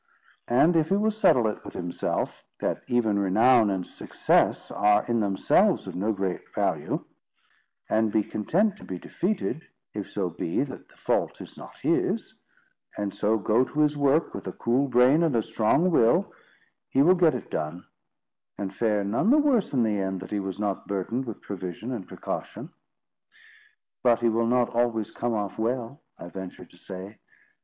And if he will settle it with himself, that even renown and success are in themselves of no great value, and be content to be defeated, if so be that the fault is not his; and so go to his work with a cool brain and a strong will, he will get it done; and fare none the worse in the end, that he was not burdened with provision and precaution." "But he will not always come off well," I ventured to say.